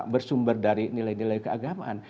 bersumber dari nilai nilai keagamaan